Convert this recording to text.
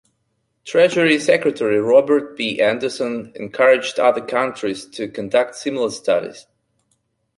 Treasury Secretary Robert B. Anderson encouraged other countries to conduct similar studies.